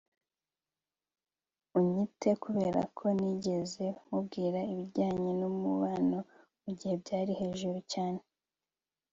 unyite kuberako ntigeze mubwira ibijyanye numubano mugihe byari hejuru cyane